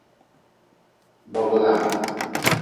Boglam.